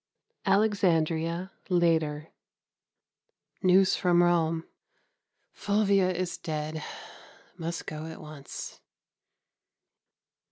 Alexandria, later. News from Rome. Fulvia is dead: must go at once.